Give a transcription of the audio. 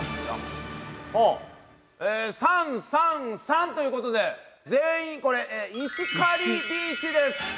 ほうえー３３３という事で全員これ石狩ビーチです！